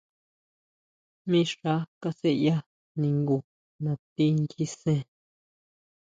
Mixa kasʼeya ningu nati nyisen.